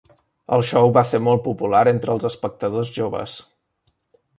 El show va ser molt popular entre els espectadors joves.